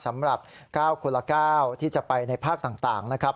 สำหรับ๙คนละ๙ที่จะไปในภาคต่างนะครับ